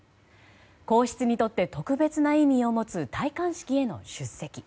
皇室にとって特別な意味を持つ戴冠式への出席。